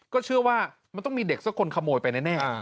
ก็เชื่อว่ามันต้องมีเด็กสักคนขโมยไปแน่